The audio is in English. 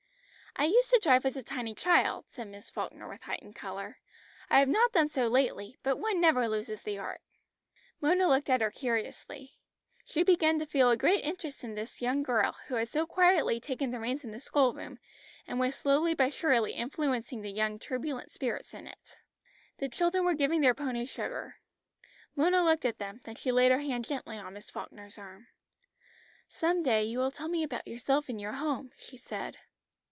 "I used to drive as a tiny child," said Miss Falkner with heightened colour. "I have not done so lately, but one never loses the art." Mona looked at her curiously. She began to feel a great interest in this young girl, who had so quietly taken the reins in the school room and was slowly but surely influencing the young turbulent spirits in it. The children were giving their pony sugar. Mona looked at them, then she laid her hand gently on Miss Falkner's arm. "Some day you will tell me about yourself and your home," she said.